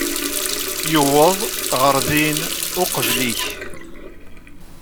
Yuweḍ ɣer din uqbel-ik.